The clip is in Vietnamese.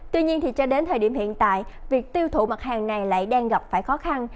tuy nhiên cho đến thời điểm hiện tại việc tiêu thụ mặt hàng này lại đang gặp phải khó khăn